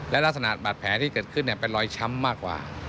และลักษณะบาดแผลที่เกิดขึ้นเป็นรอยช้ำมากกว่า